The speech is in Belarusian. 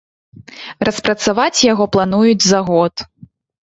Распрацаваць яго плануюць за год.